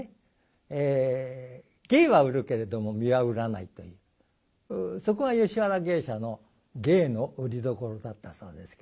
芸は売るけれども身は売らないというそこは吉原芸者の芸の売りどころだったそうですけど。